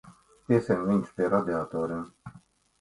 Piesien viņus pie radiatoriem.